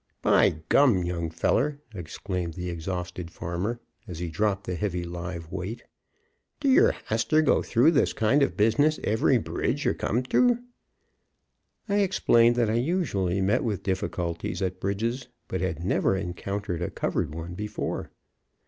"By gum, young feller!" exclaimed the exhausted farmer, as he dropped the heavy live weight. "Do yer haster go through this kind of business every bridge yer come ter?" I explained that I usually met with difficulties at bridges, but had never encountered a covered one before.